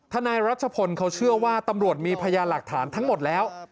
นายรัชพลเขาเชื่อว่าตำรวจมีพยานหลักฐานทั้งหมดแล้ว